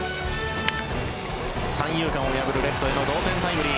三遊間を破るレフトへの同点タイムリー。